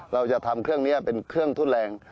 เราจะทำเครื่องนี้เป็นเครื่องทุนแรง